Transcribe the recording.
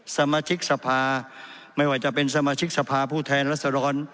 สมาชิกสภาไม่ว่าจะเป็นสมาชิกสภาผู้แทนรัศดร